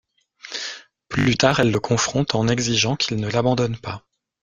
Plus tard, elle le confronte en exigeant qu'il ne l'abandonne pas.